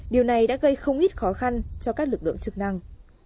điều này đã gây không ít khó khăn cho các lực lượng chức năng